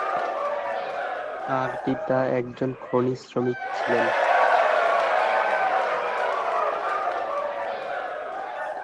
তাঁর পিতা একজন খনি শ্রমিক ছিলেন।